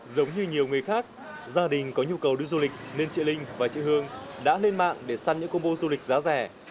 giống như nhiều người khác gia đình có nhu cầu đi du lịch nên chị linh và chị hương đã lên mạng để săn những combo du lịch giá rẻ